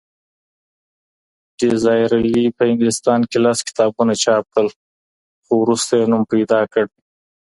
ډیزائیرلي په انګلستان کې لس کتابونه چاپ کړل، خو وروسته یې نوم پیدا کړ.